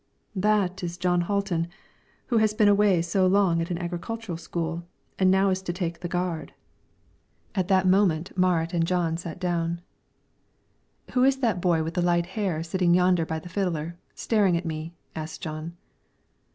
"That is Jon Hatlen, he who has been away so long at an agricultural school and is now to take the gard." At that moment Marit and Jon sat down. "Who is that boy with light hair sitting yonder by the fiddler, staring at me?" asked Jon.